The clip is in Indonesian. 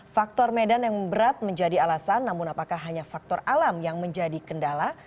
faktor medan yang berat menjadi alasan namun apakah hanya faktor alam yang menjadi kendala